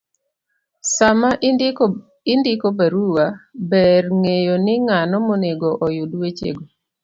Sama indiko barua , ber ng'eyo ni ng'ano monego oyud wechego,